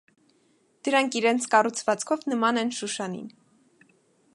Դրանք իրենց կառուցվածքով նման են շուշանին։